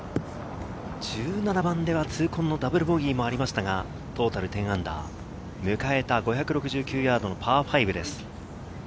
１７番では痛恨のダブルボギーもありましたがトータル−１０、迎えた５６９ヤードのパー５です。